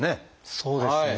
そうですね。